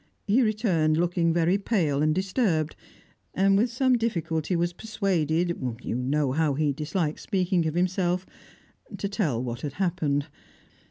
He returned looking very pale and disturbed, and with some difficulty was persuaded (you know how he disliked speaking of himself) to tell what had happened.